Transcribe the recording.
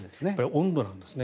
温度なんですね。